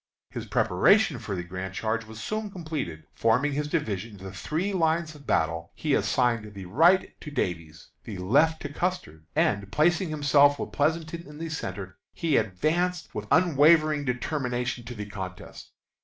His preparation for the grand charge was soon completed. Forming his division into three lines of battle, he assigned the right to Davies, the left to Custer, and, placing himself with Pleasonton in the centre, he advanced with unwavering determination to the contest.